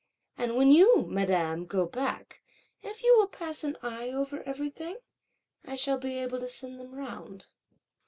And when you, madame, go back, if you will pass an eye over everything, I shall be able to send them round."